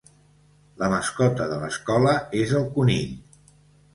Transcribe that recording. La mascota de l'escola és el conill.